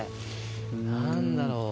何だろう。